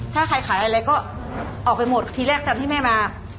ถ้าใครขายอะไรก็ออกไปหมดทีแรกตามที่แม่มา